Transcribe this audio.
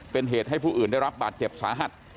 เป็นเหตุให้ผู้อื่นได้รับบาดเจ็บสาหัส